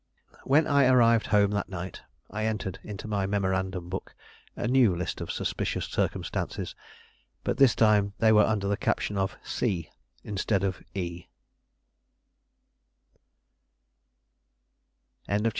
When I arrived home that night, I entered into my memorandum book a new list of suspicious circumstances, but this time they were under the caption "C" instead of "E."